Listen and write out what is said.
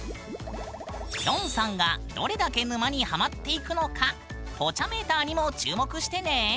きょんさんがどれだけ沼にハマっていくのか「ポチャメーター」にも注目してね！